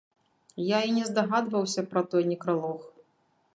Я і не здагадваўся пра той некралог.